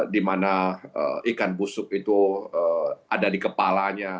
dimana ikan busuk itu ada di kepalanya